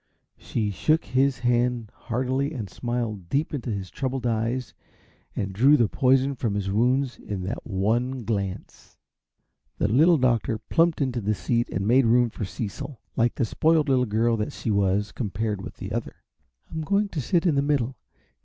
She shook his hand heartily and smiled deep into his troubled eyes, and drew the poison from his wounds in that one glance. The Little Doctor plumped into the seat and made room for Cecil, like the spoiled little girl that she was, compared with the other. "I'm going to sit in the middle.